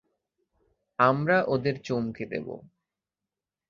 আমরা ওদের চমকে দেবো।